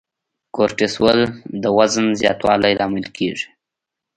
کورټیسول د وزن زیاتوالي لامل کېږي.